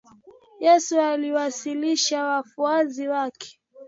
Yesu aliwalisha wafuasi wake.